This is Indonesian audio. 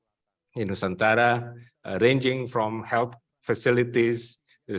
beberapa dari anda juga ingin pergi ke area infrastruktur seperti jalan tinggi ekspansi terbang dan lain lain